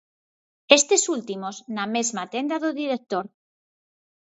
Estes últimos na mesma tenda do director.